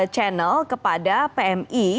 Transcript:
channel kepada pmi